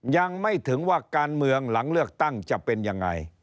ยังไม่ถึงว่าการเมืองหลังเลือกตั้งจะเป็นยังไง